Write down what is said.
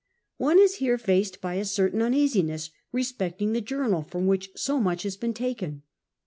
One is here faced by a certain uneasiness respecting the journal from which so much has l)een taken.